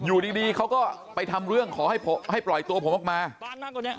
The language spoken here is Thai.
พูดไหมพี่พูดหน่อยได้ไหมคะเราเลือกกับกับพี่ดาวใช่ไหมครับ